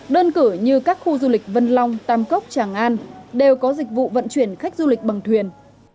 đơn cử như các khu du lịch vân long tam cốc tràng an đều có dịch vụ vận chuyển khách du lịch bằng thuyền